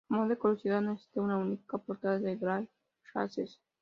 A modo de curiosidad, no existe una única portada del Gray Race.